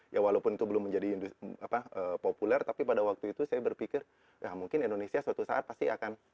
ya walaupun itu belum menjadi populer tapi pada waktu itu saya berpikir ya mungkin indonesia suatu saat pasti akan